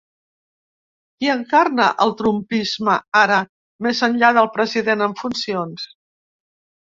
Qui encarna el ‘Trumpisme’ ara, més enllà del president en funcions?